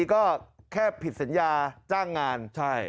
ก็แค่ผิดสัญญาจ้างงานใช่